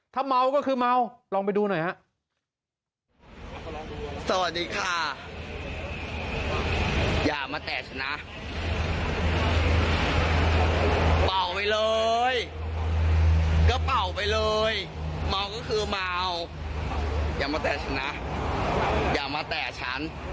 ถ้าเมาก็คือเมาลองไปดูหน่อยฮะ